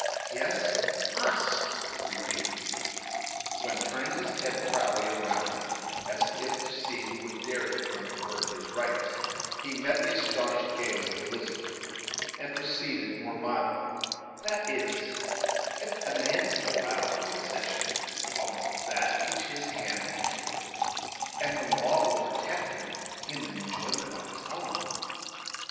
"Yes, must," repeated the youth; when, turning his head proudly around him, as if to see who would dare to controvert his rights, he met the astonished gaze of Elizabeth, and proceeded more mildly: "That is, if a man is allowed the possession of that which his hand hath killed, and the law will protect him in the enjoyment of his own."